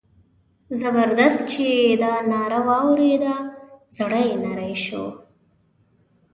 زبردست چې دا ناره واورېده زړه یې نری شو.